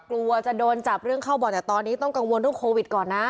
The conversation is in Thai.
กลัวจะโดนจับเรื่องเข้าบ่อนแต่ตอนนี้ต้องกังวลเรื่องโควิดก่อนนะ